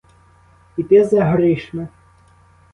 І ти за грішми?